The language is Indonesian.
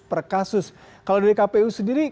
per kasus kalau dari kpu sendiri